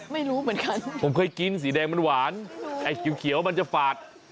ไม่รู้เหมือนกันผมเคยกินสีแดงมันหวานไอ้เขียวมันจะฝาด